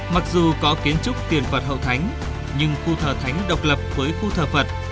mặc dù có kiến trúc tiền vật hậu thánh nhưng khu thờ thánh độc lập với khu thờ phật